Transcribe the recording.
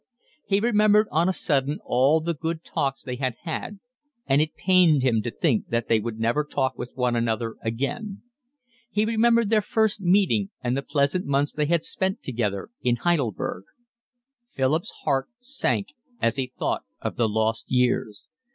He remembered on a sudden all the good talks they had had, and it pained him to think that they would never talk with one another again; he remembered their first meeting and the pleasant months they had spent together in Heidelberg. Philip's heart sank as he thought of the lost years.